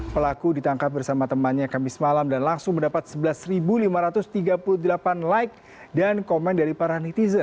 pelaku ditangkap bersama temannya kamis malam dan langsung mendapat sebelas lima ratus tiga puluh delapan like dan komen dari para netizen